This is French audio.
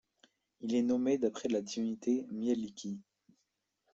Il est nommé d'après la divinité Mielikki.